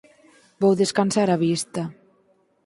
Vou descansar a vista.